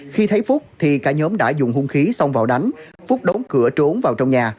khi thấy phúc thì cả nhóm đã dùng hung khí xông vào đánh phúc đóng cửa trốn vào trong nhà